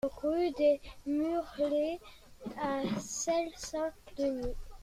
Rue des Murlets à Selles-Saint-Denis